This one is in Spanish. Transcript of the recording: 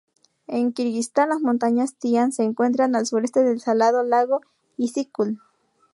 En Kirguistán, las montañas Tian se encuentran al sureste del salado lago Issyk-Kul.